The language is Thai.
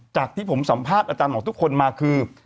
จากที่ผมสัมภาษณ์อาจารย์หมอทุกคนมาคือ